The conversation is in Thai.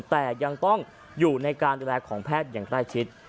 แต่ยังต้องอยู่ในการดูแลของแพทย์อย่างใกล้ชิด